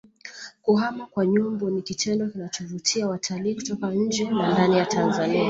kuhama kwa nyumbu ni kitendo kinachovutia watalii kutoka nje na ndani ya Tanzania